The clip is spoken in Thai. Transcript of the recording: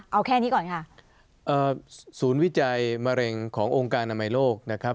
เอาแค่นี้ก่อนค่ะศูนย์วิจัยมะเร็งขององค์การอนามัยโลกนะครับ